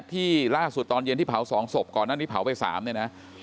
ที่ล่าสุดตอนเย็นที่เผา๒ศพก่อนหน้านี้เผาไป๓เนี่ยนะ